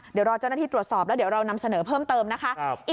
เดี๋ยวรอเจ้าหน้าที่ตรวจสอบแล้วเดี๋ยวเรานำเสนอเพิ่มเติมนะคะ